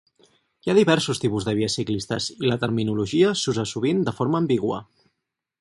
Hi ha diversos tipus de vies ciclistes i la terminologia s'usa sovint de forma ambigua.